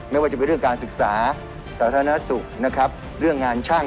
ไม่ว่าจะเป็นเรื่องการศึกษาสาธารณสุขนะครับเรื่องงานช่าง